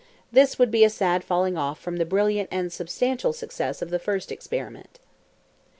This would be a sad falling off from the brilliant and substantial success of the first experiment.